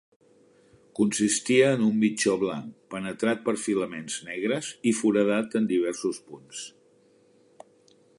Consistia en un mitjó blanc penetrat per filaments negres i foradat en diversos punts.